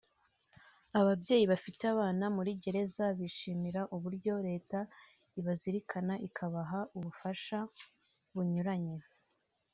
Ababyeyi bafite abana muri Gereza barishimira uburyo Leta ibazirikana ikabaha ubufasha bunyuranye